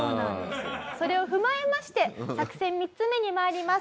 それを踏まえまして作戦３つ目に参ります。